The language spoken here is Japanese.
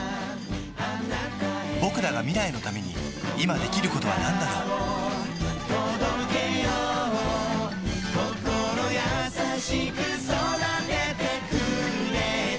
ぼくらが未来のために今できることはなんだろう心優しく育ててくれた